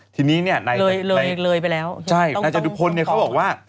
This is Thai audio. ทีนี้เนี่ยเลยไปแล้วใช่นาจจุภนเขาบอกว่า